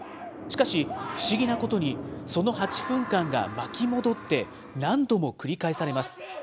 しかし、不思議なことに、その８分間が巻き戻って、何度も繰り返されます。